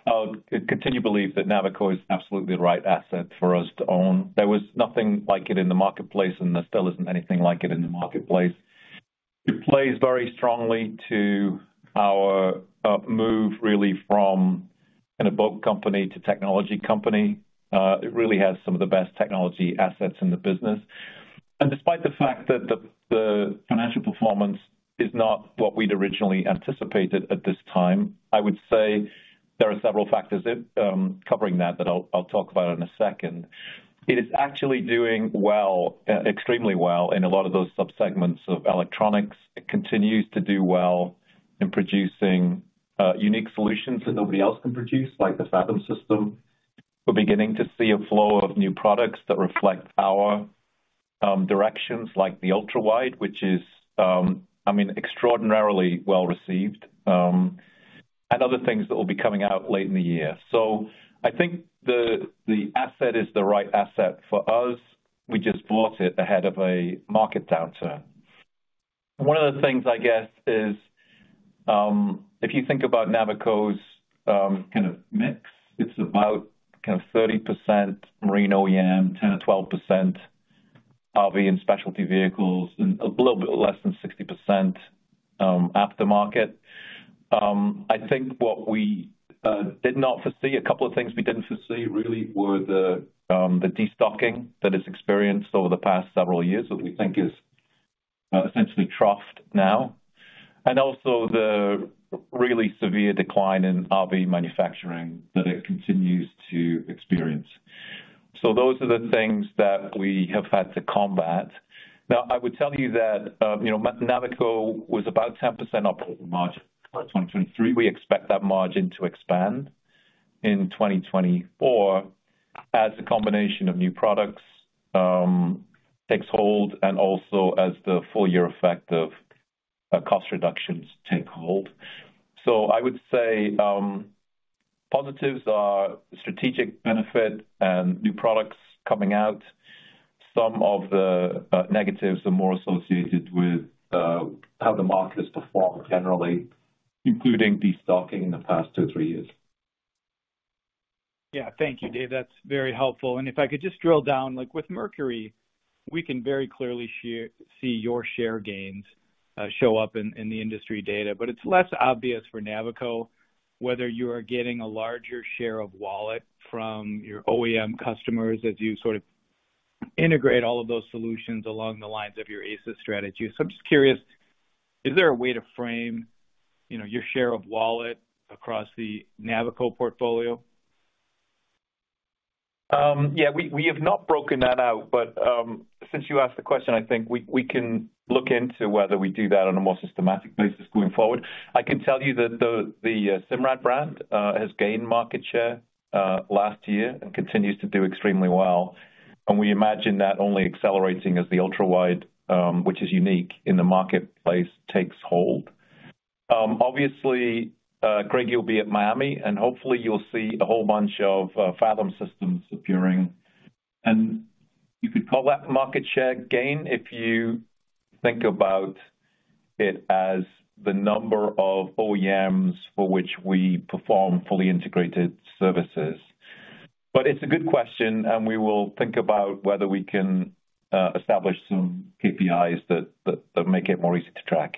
I continue to believe that Navico is absolutely the right asset for us to own. There was nothing like it in the marketplace, and there still isn't anything like it in the marketplace. It plays very strongly to our move really from a boat company to technology company. It really has some of the best technology assets in the business. And despite the fact that the financial performance is not what we'd originally anticipated at this time, I would say there are several factors in covering that that I'll talk about in a second. It is actually doing well, extremely well in a lot of those subsegments of electronics. It continues to do well in producing unique solutions that nobody else can produce, like the Fathom system. We're beginning to see a flow of new products that reflect our directions, like the Ultrawide, which is, I mean, extraordinarily well-received, and other things that will be coming out late in the year. So I think the asset is the right asset for us. We just bought it ahead of a market downturn. One of the things I guess is, if you think about Navico's kind of mix, it's about kind of 30% marine OEM, 10%-12% RV and specialty vehicles, and a little bit less than 60% aftermarket. I think what we did not foresee, a couple of things we didn't foresee really were the destocking that it's experienced over the past several years, that we think is essentially troughed now, and also the really severe decline in RV manufacturing that it continues to experience. So those are the things that we have had to combat. Now, I would tell you that, you know, Navico was about 10% up in March 2023. We expect that margin to expand in 2024 as a combination of new products takes hold and also as the full year effect of cost reductions take hold. So I would say positives are strategic benefit and new products coming out. Some of the negatives are more associated with how the market has performed generally, including destocking in the past 2, 3 years. Yeah. Thank you, Dave. That's very helpful. And if I could just drill down, like with Mercury, we can very clearly see your share gains show up in the industry data, but it's less obvious for Navico, whether you are getting a larger share of wallet from your OEM customers as you sort of integrate all of those solutions along the lines of your ACES strategy. So I'm just curious, is there a way to frame, you know, your share of wallet across the Navico portfolio? Yeah, we have not broken that out, but since you asked the question, I think we can look into whether we do that on a more systematic basis going forward. I can tell you that the Simrad brand has gained market share last year and continues to do extremely well, and we imagine that only accelerating as the Ultrawide, which is unique in the marketplace, takes hold. Obviously, Craig, you'll be at Miami, and hopefully, you'll see a whole bunch of Fathom systems appearing. And you could call that market share gain if you think about it as the number of OEMs for which we perform fully integrated services. But it's a good question, and we will think about whether we can establish some KPIs that make it more easy to track.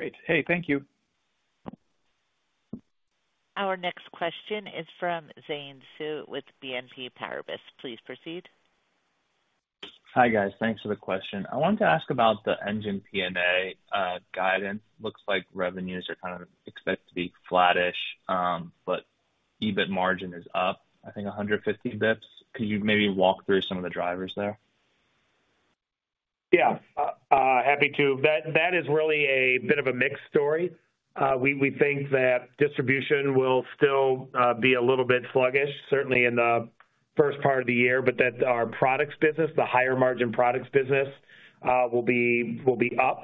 Great. Hey, thank you. Our next question is from Xian Siew with BNP Paribas. Please proceed. Hi, guys. Thanks for the question. I wanted to ask about the Engine P&A guidance. Looks like revenues are kind of expected to be flattish, but EBIT margin is up, I think, 150 basis points. Could you maybe walk through some of the drivers there? Yeah, happy to. That is really a bit of a mixed story. We think that distribution will still be a little bit sluggish, certainly in the first part of the year, but that our products business, the higher margin products business, will be up,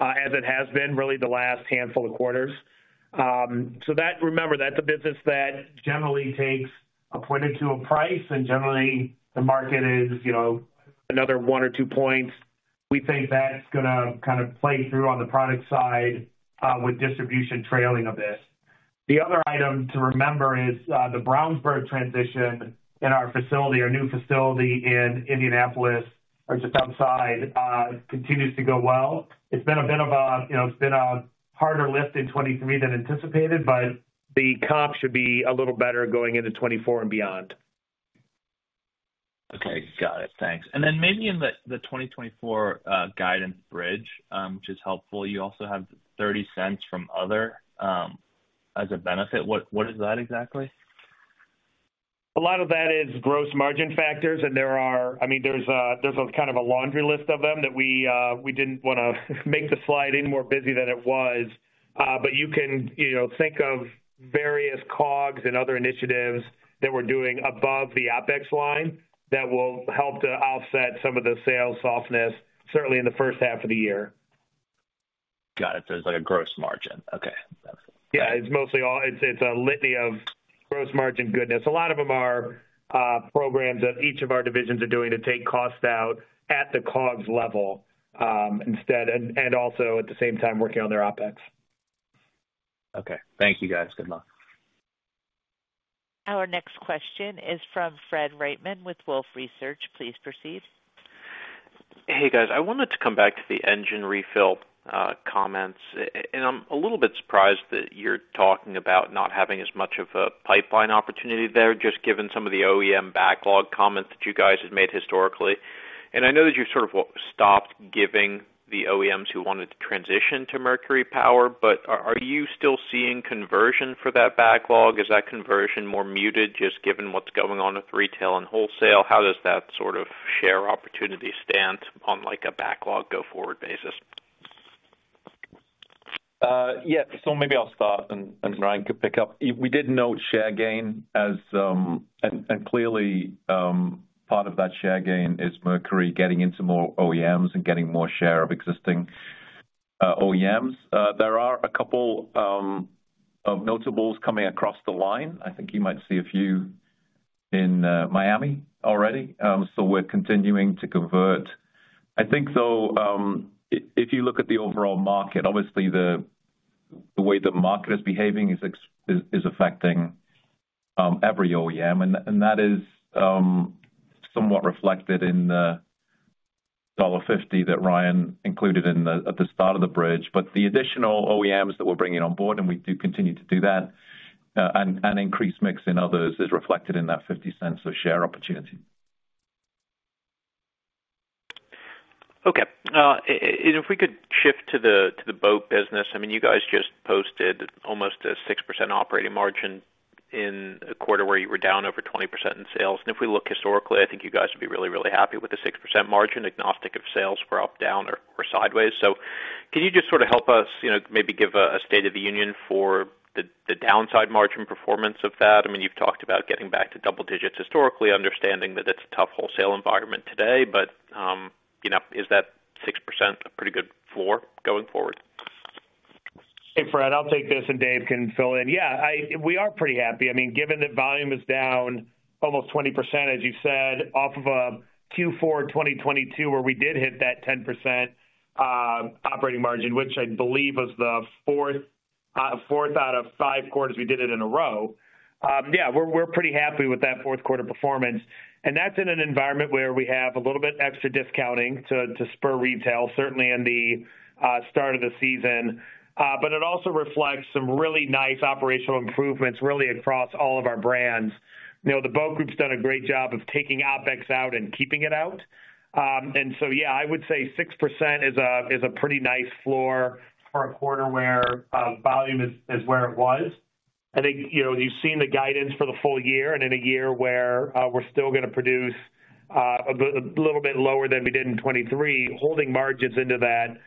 as it has been really the last handful of quarters. So that... remember, that's a business that generally takes a point or two of price, and generally, the market is, you know, another one or two points. We think that's gonna kind of play through on the product side, with distribution trailing a bit. The other item to remember is the Brownsburg transition in our facility, our new facility in Indianapolis, or just outside, continues to go well. It's been a bit of a, you know, it's been a harder lift in 2023 than anticipated, but the comp should be a little better going into 2024 and beyond. Okay. Got it. Thanks. And then maybe in the 2024 guidance bridge, which is helpful, you also have $0.30 from other as a benefit. What is that exactly? ...A lot of that is gross margin factors, and there are, I mean, there's a, there's a kind of a laundry list of them that we, we didn't want to make the slide any more busy than it was. But you can, you know, think of various COGS and other initiatives that we're doing above the OpEx line that will help to offset some of the sales softness, certainly in the first half of the year. Got it. So it's like a gross margin. Okay. Yeah, it's mostly all. It's a litany of gross margin goodness. A lot of them are programs that each of our divisions are doing to take costs out at the COGS level, instead, and also at the same time working on their OpEx. Okay. Thank you, guys. Good luck. Our next question is from Fred Wightman with Wolfe Research. Please proceed. Hey, guys. I wanted to come back to the engine repower comments. I'm a little bit surprised that you're talking about not having as much of a pipeline opportunity there, just given some of the OEM backlog comments that you guys have made historically. I know that you sort of stopped giving the OEMs who wanted to transition to Mercury power, but are you still seeing conversion for that backlog? Is that conversion more muted, just given what's going on with retail and wholesale? How does that sort of share opportunity stand on, like, a backlog go-forward basis? Yeah. So maybe I'll start and Ryan could pick up. We did note share gain as—and clearly, part of that share gain is Mercury getting into more OEMs and getting more share of existing OEMs. There are a couple of notables coming across the line. I think you might see a few in Miami already. So we're continuing to convert. I think, though, if you look at the overall market, obviously the way the market is behaving is affecting every OEM, and that is somewhat reflected in the $1.50 that Ryan included in the at the start of the bridge. But the additional OEMs that we're bringing on board, and we do continue to do that, and increase mix in others is reflected in that $0.50 of share opportunity. Okay. And if we could shift to the boat business. I mean, you guys just posted almost a 6% operating margin in a quarter where you were down over 20% in sales. And if we look historically, I think you guys would be really, really happy with the 6% margin, agnostic of sales for up, down, or sideways. So can you just sort of help us, you know, maybe give a state of the union for the downside margin performance of that? I mean, you've talked about getting back to double digits historically, understanding that it's a tough wholesale environment today, but, you know, is that 6% a pretty good floor going forward? Hey, Fred, I'll take this, and Dave can fill in. Yeah, we are pretty happy. I mean, given that volume is down almost 20%, as you said, off of a Q4 2022, where we did hit that 10% operating margin, which I believe was the fourth out of five quarters we did it in a row. Yeah, we're pretty happy with that Q4 performance, and that's in an environment where we have a little bit extra discounting to spur retail, certainly in the start of the season. But it also reflects some really nice operational improvements, really across all of our brands. You know, the Boat Group's done a great job of taking OpEx out and keeping it out. And so, yeah, I would say 6% is a, is a pretty nice floor for a quarter where volume is, is where it was. I think, you know, you've seen the guidance for the full year, and in a year where we're still going to produce a little bit lower than we did in 2023, holding margins into that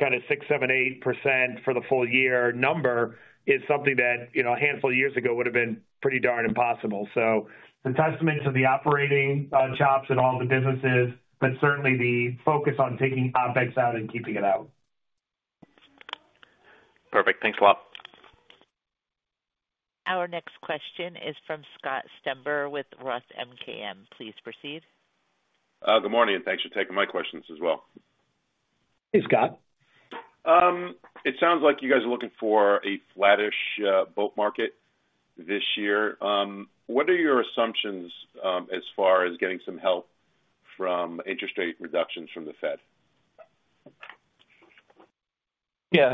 kind of 6%-8% for the full year number is something that, you know, a handful of years ago would have been pretty darn impossible. So it's a testament to the operating chops at all the businesses, but certainly the focus on taking OpEx out and keeping it out. Perfect. Thanks a lot. Our next question is from Scott Stember with Roth MKM. Please proceed. Good morning, and thanks for taking my questions as well. Hey, Scott. It sounds like you guys are looking for a flattish, boat market this year. What are your assumptions, as far as getting some help from interest rate reductions from the Fed? Yeah.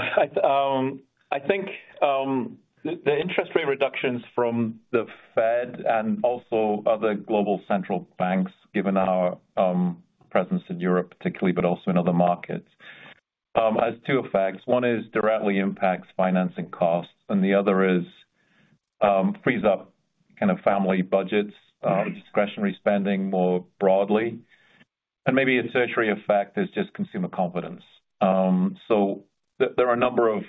I think the interest rate reductions from the Fed and also other global central banks, given our presence in Europe particularly, but also in other markets, has two effects. One is directly impacts financing costs, and the other is frees up kind of family budgets, discretionary spending more broadly. And maybe a tertiary effect is just consumer confidence. So there are a number of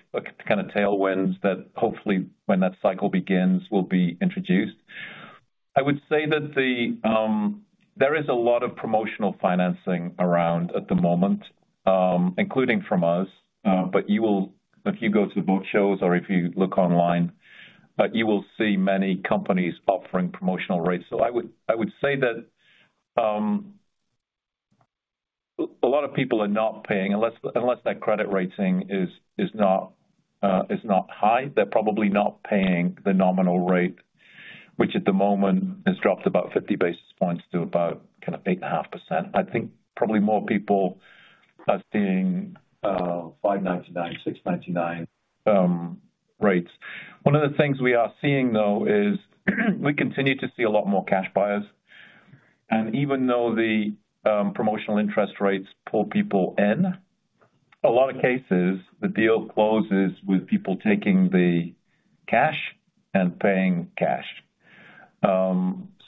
kind of tailwinds that hopefully when that cycle begins, will be introduced. I would say that the there is a lot of promotional financing around at the moment, including from us. But you will—if you go to boat shows or if you look online, you will see many companies offering promotional rates. So I would, I would say that a lot of people are not paying... Unless that credit rating is not high, they're probably not paying the nominal rate, which at the moment has dropped about 50 basis points to about kind of 8.5%. I think probably more people are seeing 5.99%, 6.99% rates. One of the things we are seeing, though, is we continue to see a lot more cash buyers. And even though the promotional interest rates pull people in, a lot of cases, the deal closes with people taking the cash and paying cash.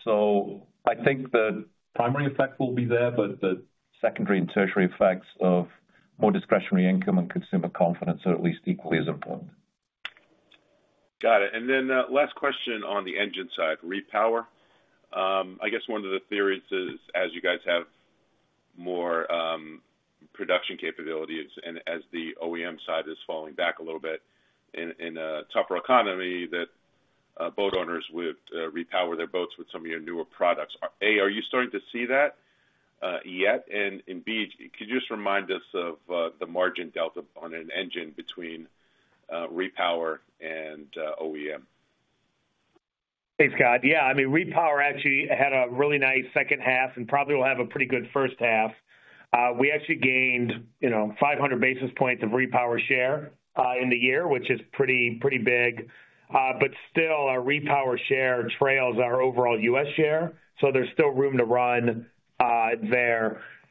So I think the primary effect will be there, but the secondary and tertiary effects of more discretionary income and consumer confidence are at least equally as important. Got it. And then, last question on the engine side, repower. I guess one of the theories is, as you guys have more production capabilities and as the OEM side is falling back a little bit in a tougher economy, that boat owners would repower their boats with some of your newer products. A, are you starting to see that yet? And B, could you just remind us of the margin delta on an engine between repower and OEM? Thanks, Scott. Yeah, I mean, repower actually had a really nice second half and probably will have a pretty good first half. We actually gained, you know, 500 basis points of repower share in the year, which is pretty, pretty big. But still, our repower share trails our overall U.S. share, so there's still room to run there.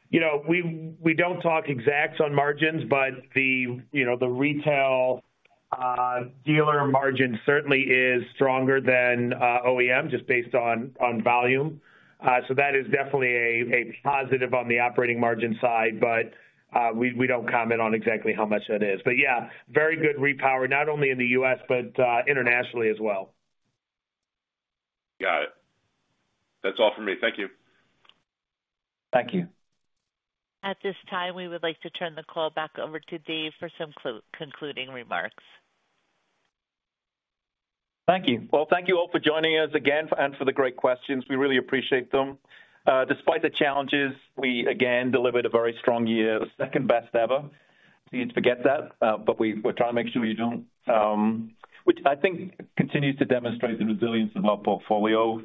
You know, we don't talk exacts on margins, but the, you know, the retail dealer margin certainly is stronger than OEM, just based on volume. So that is definitely a positive on the operating margin side, but we don't comment on exactly how much that is. But yeah, very good repower, not only in the U.S., but internationally as well. Got it. That's all for me. Thank you. Thank you. At this time, we would like to turn the call back over to Dave for some concluding remarks. Thank you. Well, thank you all for joining us again, and for the great questions. We really appreciate them. Despite the challenges, we again delivered a very strong year, the second best ever. Please forget that, but we're trying to make sure you don't. Which I think continues to demonstrate the resilience of our portfolio.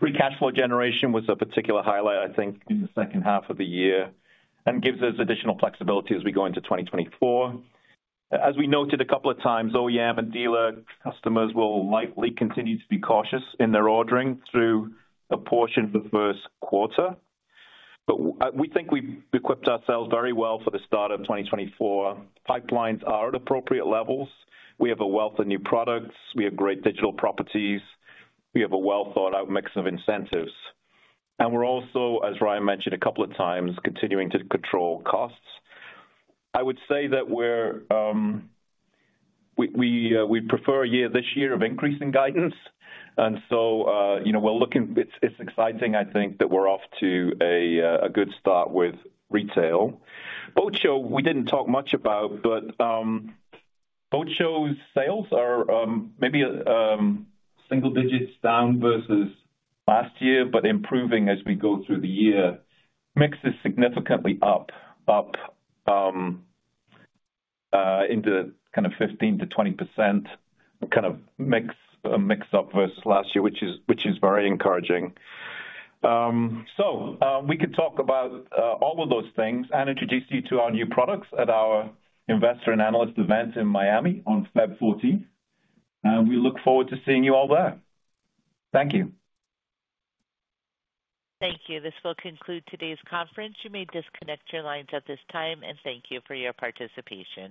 Free Cash Flow generation was a particular highlight, I think, in the second half of the year, and gives us additional flexibility as we go into 2024. As we noted a couple of times, OEM and dealer customers will likely continue to be cautious in their ordering through a portion of the Q1. But, we think we've equipped ourselves very well for the start of 2024. Pipelines are at appropriate levels. We have a wealth of new products. We have great digital properties. We have a well thought out mix of incentives. We're also, as Ryan mentioned a couple of times, continuing to control costs. I would say that we prefer this year of increasing guidance. So, you know, we're looking—it's exciting, I think, that we're off to a good start with retail. Boat show, we didn't talk much about, but boat show sales are maybe single digits down versus last year, but improving as we go through the year. Mix is significantly up into kind of 15% to 20%, kind of mix up versus last year, which is very encouraging. So, we could talk about all of those things and introduce you to our new products at our investor and analyst event in Miami on February 14. We look forward to seeing you all there. Thank you. Thank you. This will conclude today's conference. You may disconnect your lines at this time, and thank you for your participation.